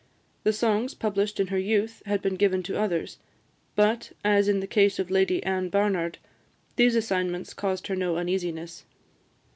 The songs published in her youth had been given to others; but, as in the case of Lady Anne Barnard, these assignments caused her no uneasiness.